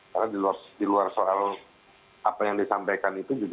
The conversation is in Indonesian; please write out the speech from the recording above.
karena di luar soal apa yang disampaikan itu